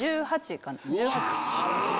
１８かな。